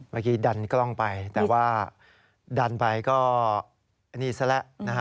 เมื่อกี้ดันกล้องไปแต่ว่าดันไปก็นี่ซะแหละนะฮะ